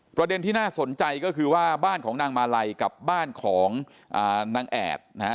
ประเด็นที่น่าสนใจก็คือว่าบ้านของนางมาลัยกับบ้านของนางแอดนะฮะ